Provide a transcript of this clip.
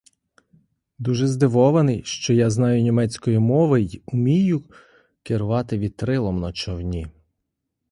Дуже здивований, що я знаю німецької мови й умію керувати вітрилом на човні.